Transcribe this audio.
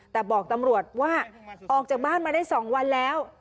แต่บอกตำรวจว่าออกจากบ้านมาได้๒วันแล้ว